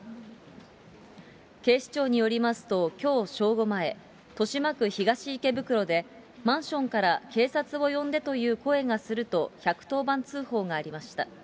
警視庁によりますと、きょう正午前、豊島区東池袋で、マンションから警察を呼んでという声がすると１１０番通報がありました。